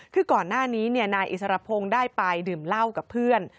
คือก่อนหน้านี้นายอิสรพงศ์ได้ไปดื่มเหล้ากับเพื่อน